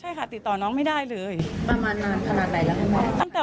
หัวดูลาย